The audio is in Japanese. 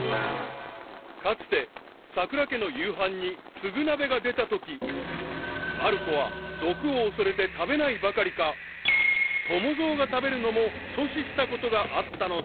［かつてさくら家の夕飯にフグ鍋が出たときまる子は毒を恐れて食べないばかりか友蔵が食べるのも阻止したことがあったのだ］